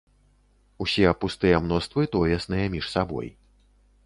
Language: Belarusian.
Усе пустыя мноствы тоесныя між сабой.